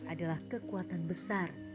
adalah kekuatan besar